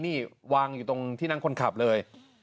นี่วางอยู่ตรงที่นั่งคนขับเลย